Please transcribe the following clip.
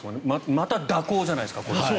また蛇行じゃないですか。